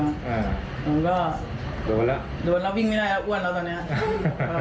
ผมก็โดนแล้ววิ่งไม่ได้แล้วอ้วนแล้วตอนนี้